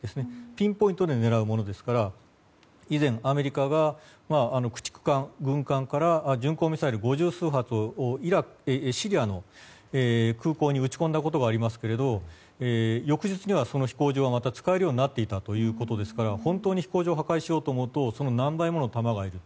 ピンポイントで狙うものですから以前、アメリカが駆逐艦、軍艦から巡航ミサイル五十数発をシリアの空港に撃ち込んだことがありますけど翌日にはその飛行場はまた使えるようになっていたということですから本当に飛行場を破壊しようと思うとその何倍もの弾がいる。